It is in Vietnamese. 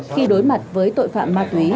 khi đối mặt với tội phạm ma túy